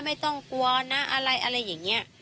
ไม่ต้องกลัวนะอะไรอย่างเงี้ย